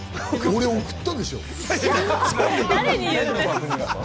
俺、送ったでしょ。